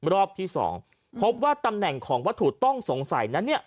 รอบที่๒พบว่าตำแหน่งของวัตถุต้องสงสัยนะ